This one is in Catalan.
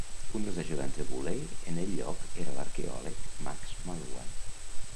Un dels ajudants de Woolley en el lloc era l'arqueòleg Max Mallowan.